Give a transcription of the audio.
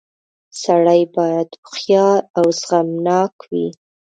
• سړی باید هوښیار او زغمناک وي.